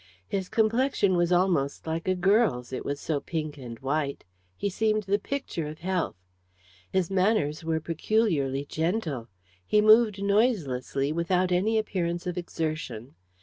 His complexion was almost like a girl's, it was so pink and white; he seemed the picture of health. His manners were peculiarly gentle. He moved noiselessly, without any appearance of exertion.